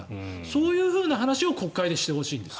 そういうふうな話を国会でしてほしいんです。